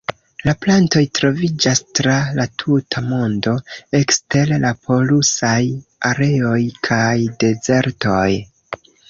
La plantoj troviĝas tra la tuta mondo, ekster la polusaj areoj kaj dezertoj.